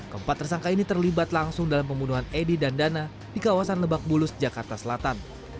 keempat tersangka ini terlibat langsung dalam pembunuhan edy dan dana di kawasan lebak bulus jakarta selatan